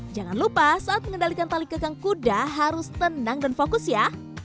jangan lupa saat mengendalikan tali kegang kuda harus tenang dan fokus ya